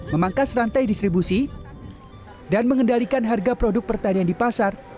memangkas rantai distribusi dan mengendalikan harga produk pertanian di pasar